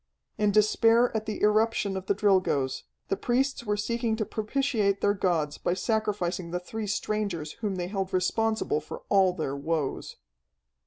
In despair at the irruption of the Drilgoes, the priests were seeking to propitiate their gods by sacrificing the three strangers whom they held responsible for all their woes.